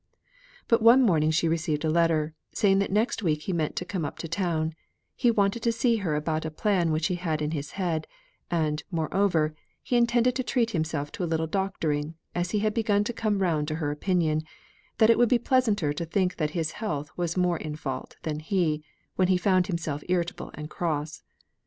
But one morning she received a letter, saying that next week he meant to come up to town; he wanted to see her about a plan which he had in his head; and, moreover, he intended to treat himself to a little doctoring, as he had begun to come round to her opinion, that it would be pleasanter to think that his health was more in fault than he, when he found himself irritable and cross.